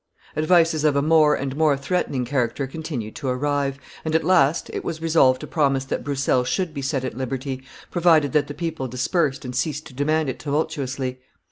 Advices of a more and more threatening character continued to arrive; and, at last, it was resolved to promise that Broussel should be set at liberty, provided that the people dispersed and ceased to demand it tumultuously.